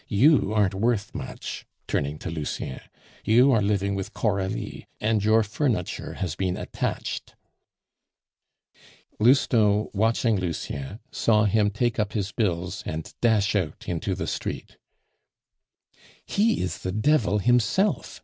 You aren't worth much" (turning to Lucien); "you are living with Coralie, and your furniture has been attached." Lousteau, watching Lucien, saw him take up his bills, and dash out into the street. "He is the devil himself!"